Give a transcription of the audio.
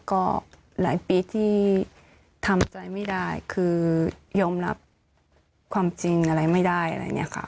ก็หลายปีที่ทำใจไม่ได้คือยอมรับความจริงอะไรไม่ได้อะไรอย่างนี้ค่ะ